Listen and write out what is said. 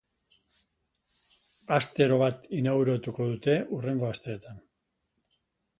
Astero bat inauguratuko dute, hurrengo asteetan.